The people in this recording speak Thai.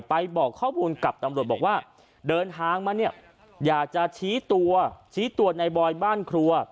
บอกข้อมูลกับตำรวจบอกว่าเดินทางมาเนี่ยอยากจะชี้ตัวชี้ตัวในบอยบ้านครัว